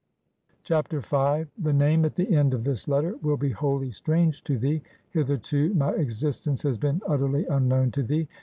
V. "The name at the end of this letter will be wholly strange to thee. Hitherto my existence has been utterly unknown to thee.